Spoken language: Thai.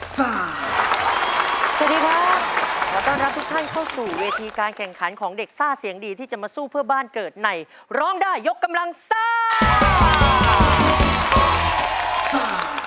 สวัสดีครับขอต้อนรับทุกท่านเข้าสู่เวทีการแข่งขันของเด็กซ่าเสียงดีที่จะมาสู้เพื่อบ้านเกิดในร้องได้ยกกำลังซ่า